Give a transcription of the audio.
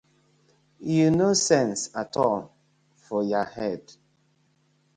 Yu no sence atol for yah head.